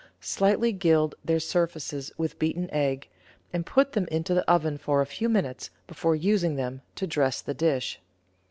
Slightly gild their surfaces with beaten egg, and put them into the oven for a few minutes before using them to dress the dish.